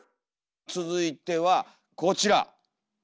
続いてはこちら。